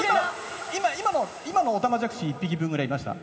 今のオタマジャクシ１匹分ぐらいいました？